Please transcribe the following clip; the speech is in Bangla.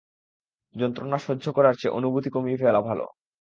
যন্ত্রণা সহ্য করার চেয়ে অনুভূতি কমিয়ে ফেলা ভালো।